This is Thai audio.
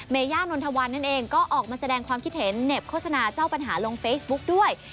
ย่านนทวันนั่นเองก็ออกมาแสดงความคิดเห็นเหน็บโฆษณาเจ้าปัญหาลงเฟซบุ๊กด้วย